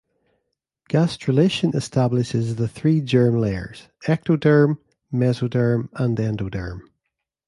Gastrulation establishes the three germ layers: ectoderm, mesoderm and endoderm.